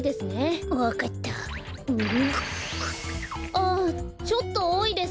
ああちょっとおおいです。